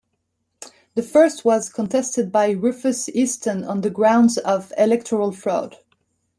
The first was contested by Rufus Easton on the grounds of electoral fraud.